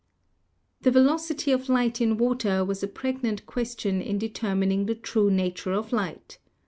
The velocity of light in water was a pregnant question in determining the true nature of light.